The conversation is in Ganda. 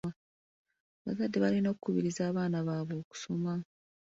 Abazadde balina okukubiriza abaana baabwe okusoma